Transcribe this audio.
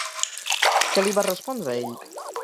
Què li va respondre ell?